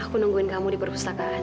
aku nungguin kamu di perpustakaan